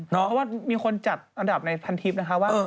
เพราะว่ามีคนจัดอันดับในพันทิพย์นะคะว่า